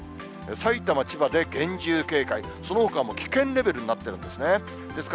さいたま、千葉で厳重警戒、そのほか、もう危険レベルになってるんですね。